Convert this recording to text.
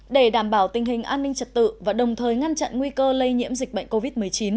để đảm bảo tình hình an ninh trật tự và đồng thời ngăn chặn nguy cơ lây nhiễm dịch bệnh covid một mươi chín